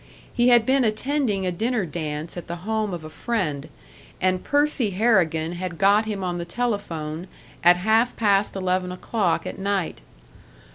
He had been attending a dinner dance at the home of a friend, and Percy Harrigan had got him on the telephone at half past eleven o'clock at night.